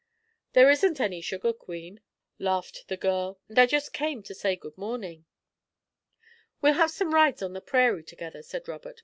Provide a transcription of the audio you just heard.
"There isn't any sugar, Queen," laughed the girl, "and I just came to say good morning." "We'll have some rides on the prairie together," said Robert.